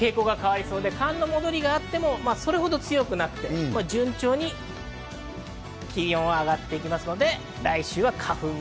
寒の戻りがあってもそれほど強くなくて、順調に気温が上がってきますので、来週は花粉も。